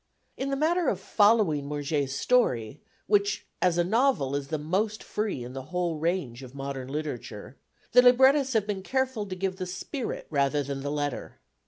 In the matter of following Murger's story, which as a novel is the most free in the whole range of modern literature, the librettists have been careful to give the spirit rather than the letter.